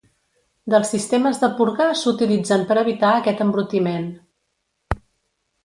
Dels sistemes de purga s'utilitzen per evitar aquest embrutiment.